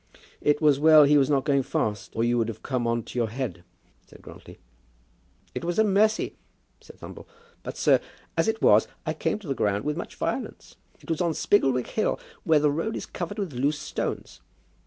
"It was well he was not going fast, or you would have come on to your head," said Grantly. "It was a mercy," said Thumble. "But, sir, as it was, I came to the ground with much violence. It was on Spigglewick Hill, where the road is covered with loose stones.